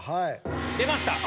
出ました。